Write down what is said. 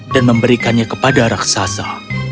dan memberikannya kepada raksasa